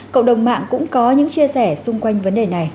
cộng đồng mạng cũng có những chia sẻ xung quanh vấn đề này